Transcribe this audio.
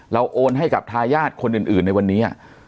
โอนให้กับทายาทคนอื่นในวันนี้